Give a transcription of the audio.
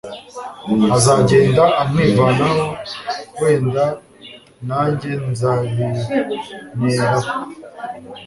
azagenda amwivanamo wenda najye nzabineraho